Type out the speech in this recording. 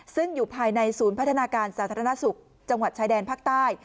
ซึ่งอยู่ภายในศูนย์พัฒนาการสาธารณสุขจังหวัดชายแดนภาคใต้